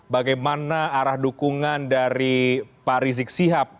bagaimana arah dukungan dari pak rizik sihab